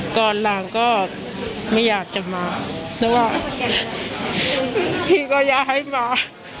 ก่อนหลังก็ไม่อยากจะมาเพราะว่าพี่ก็อยากให้มา